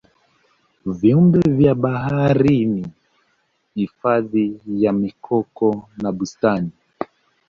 viumbe vya baharini Hifadhi ya mikoko na bustani